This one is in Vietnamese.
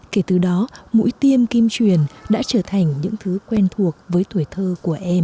kể từ đó mũi tiêm kim truyền đã trở thành những thứ quen thuộc với tuổi thơ của em